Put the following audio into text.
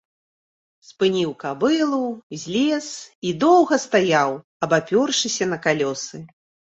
Спыніў кабылу, злез і доўга стаяў, абапёршыся на калёсы.